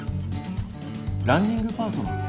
ランニングパートナー？